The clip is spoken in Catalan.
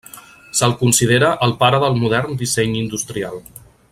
Se'l considera el pare del modern disseny industrial.